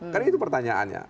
karena itu pertanyaannya